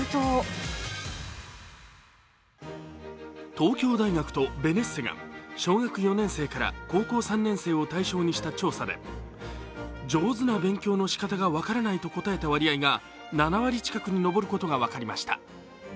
東京大学とベネッセが小学４年生から高校３年生を対象とした調査で上手な勉強のしかたが分からないと答えた割合が、７割近くに上ることが分かりました。